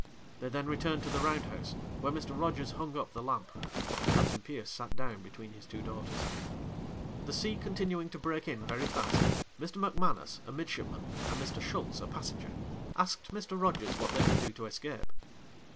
They then returned to the round house, where Mr. Rogers hung up the lamp, and Captain Pierce sat down between his two daughters. 'The sea continuing to break in very fast, Mr. Macmanus, a midshipman, and Mr. Schutz, a passenger, asked Mr. Rogers what they could do to escape.